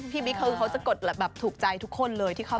พี่บิ๊กถูกใจทุกคน